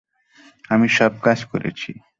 আমি সব কাজ করেছি।